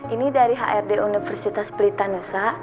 ini dari hrd universitas britanusa